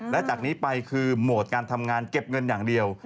และจากนี้ไปคือโหมดการทำงานเก็บเงินอย่างเดียว